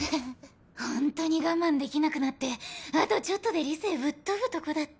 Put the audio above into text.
ホントに我慢できなくなってあとちょっとで理性ぶっ飛ぶとこだった。